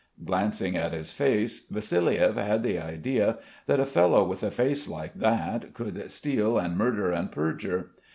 Glancing at his face, Vassiliev had the idea that a fellow with a face like that could steal and murder and perjure.